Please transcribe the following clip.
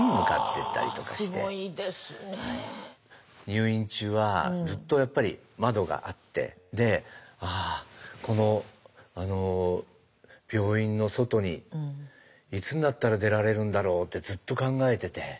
入院中はずっとやっぱり窓があってああこの病院の外にいつになったら出られるんだろうってずっと考えてて。